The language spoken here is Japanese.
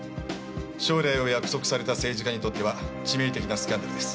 将来を約束された政治家にとっては致命的なスキャンダルです。